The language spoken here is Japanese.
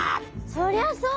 そりゃそうです。